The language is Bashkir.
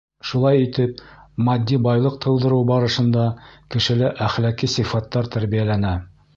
Шулай итеп, матди байлыҡ тыуҙырыу барышында кешелә әхлаҡи сифаттар тәрбиәләнә.